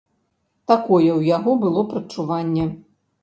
Такое ў яго было прадчуванне.